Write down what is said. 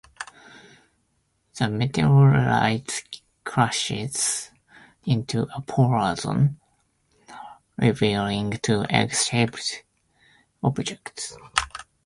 The meteorite crashes into a polar zone, revealing two egg-shaped objects.